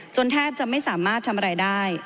แทบจะไม่สามารถทำอะไรได้